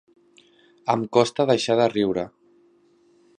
Em costa deixar de riure.